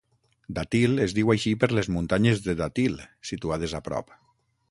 Datil es diu així per les muntanyes de Datil, situades a prop.